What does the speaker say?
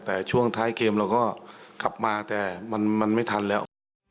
แต่ช่วงท้ายเกมเราก็ขับมาแต่มันไม่ทันแล้ว